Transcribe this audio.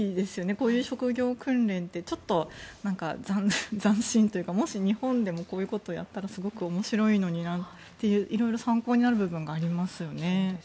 こういう職業訓練ってちょっと斬新というかもし、日本でもこういうことをやったら面白いのになといろいろと参考になる部分がありますよね。